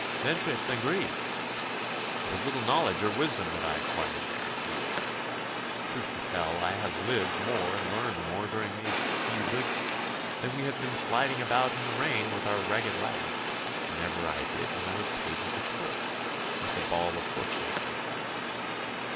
'Ventre Saint Gris! It was little knowledge or wisdom that I acquired there,' he answered. 'Truth to tell, I have lived more and learned more during these few weeks that we have been sliding about in the rain with our ragged lads, than ever I did when I was page of the court, with the ball of fortune at my feet.